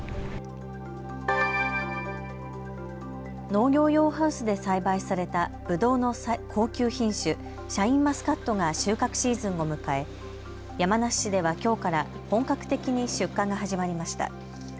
農業用ハウスで栽培されたぶどうの高級品種、シャインマスカットが収穫シーズンを迎え山梨市ではきょうから本格的に出荷が始まりました。